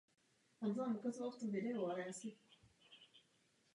Často se však odlišují v pojetí této vlny a jejího obsahu.